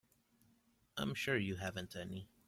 I'm sure you haven't any.